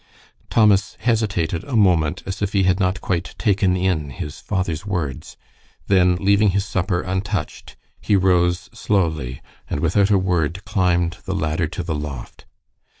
Thomas hesitated a moment as if he had not quite taken in his father's words, then, leaving his supper untouched, he rose slowly, and without a word climbed the ladder to the loft.